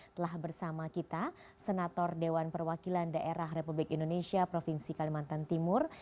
telah bersama kita senator dewan perwakilan daerah republik indonesia provinsi kalimantan timur